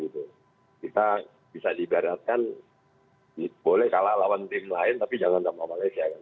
kita bisa ibaratkan boleh kalah lawan tim lain tapi jangan tambah malaysia